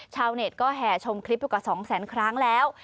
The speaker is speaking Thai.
ชาวเน็ตก็แห่ชมคลิปอยู่กว่า๒แสนครั้งแล้ว